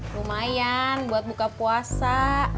lumayan buat buka puasa